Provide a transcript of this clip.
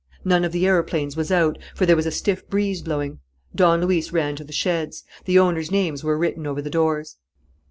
None of the aeroplanes was out, for there was a stiff breeze blowing. Don Luis ran to the sheds. The owners' names were written over the doors.